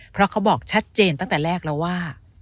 เพราะเขาบอกชัดเจนตั้งแต่แรกแล้วว่า